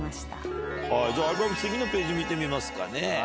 じゃあアルバム次のページ見てみますかね。